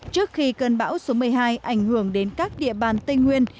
trước khi cơn bão số một mươi hai ảnh hưởng đến các địa bàn tây nguyên